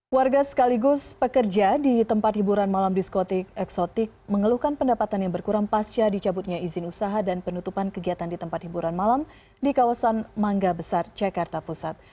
warga sekaligus pekerja di tempat hiburan malam diskotik eksotik mengeluhkan pendapatan yang berkurang pasca dicabutnya izin usaha dan penutupan kegiatan di tempat hiburan malam di kawasan mangga besar jakarta pusat